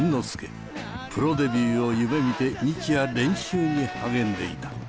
プロデビューを夢みて日夜練習に励んでいた。